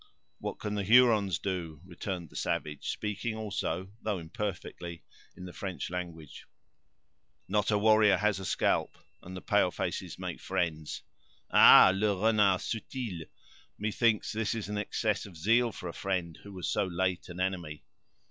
"What can the Hurons do?" returned the savage, speaking also, though imperfectly, in the French language. "Not a warrior has a scalp, and the pale faces make friends!" "Ha, Le Renard Subtil! Methinks this is an excess of zeal for a friend who was so late an enemy!